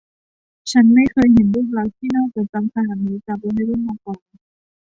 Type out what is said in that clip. ฉันไม่เคยเห็นรูปลักษณ์ที่น่าจดจำขนาดนี้จากวัยรุ่นมาก่อน